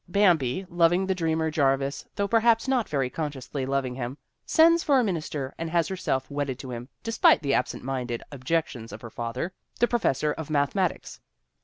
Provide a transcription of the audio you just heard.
Bam bi, loving the dreamer Jarvis though perhaps not very consciously loving him, sends for a minister and has herself wedded to him, despite the absent minded ob jections of her father, the professor of mathematics.